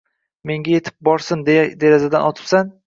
Menga yetib borsin deya derazadan otibsan.